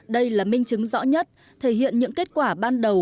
đây là minh chứng rõ nhất thể hiện những kết quả ban đầu